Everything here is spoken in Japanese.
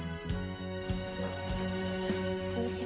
こんにちは。